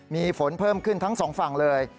มีฝนเพิ่มขึ้นทั้งสองฝั่งเลย